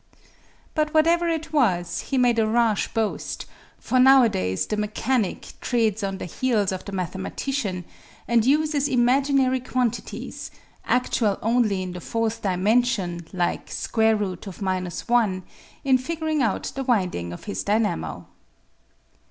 But, whatever it was, he made a rash boast for nowadays the mechanic treads on the heels of the mathematician and uses imaginary quantities, actual only in the fourth dimension, Hke V — i, in figuring out the wind ing of his dynamo.